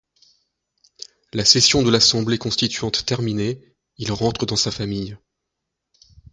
La session de l'Assemblée constituante terminée, il rentre dans sa famille.